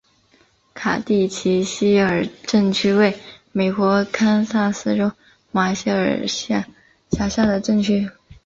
卡蒂奇希尔镇区为美国堪萨斯州马歇尔县辖下的镇区。